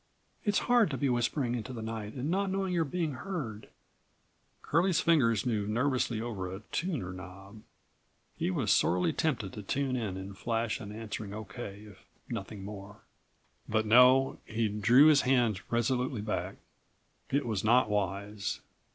"It's hard to be whispering into the night and not knowing you're being heard." Curlie's fingers moved nervously over a tuner knob. He was sorely tempted to tune in and flash an answering "O.K.," if nothing more. But, no, he drew his hands resolutely back. It was not wise.